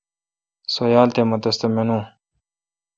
سو یال تھ مہ تس تہ مینو۔